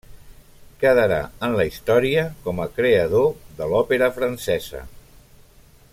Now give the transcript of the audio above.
Quedarà en la història com a creador de l'òpera francesa.